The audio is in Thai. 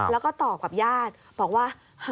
แล้วก็ตอบกับญาติบอกว่า